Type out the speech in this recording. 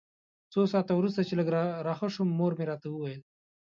څو ساعته وروسته چې لږ راښه شوم مور مې راته وویل.